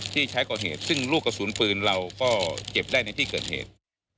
ที่ใช้ก่อเหตุซึ่งลูกกระสุนปืนเราก็เก็บได้ในที่เกิดเหตุ